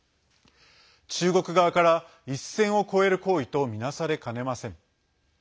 中国側から一線を越える行為とみなされかねません。